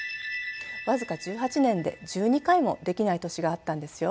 僅か１８年で１２回もできない年があったんですよ。